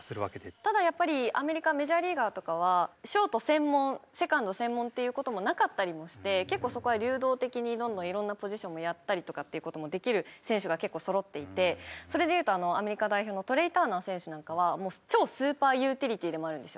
ただやっぱりアメリカメジャーリーガーとかはショート専門セカンド専門っていう事もなかったりもして結構そこは流動的にどんどん色んなポジションもやったりとかっていう事もできる選手が結構そろっていてそれでいうとアメリカ代表のトレイ・ターナー選手なんかは超スーパーユーティリティーでもあるんですよ。